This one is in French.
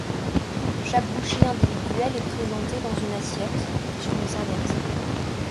Chaque bouchée individuelle est présentée dans une assiette, sur une serviette.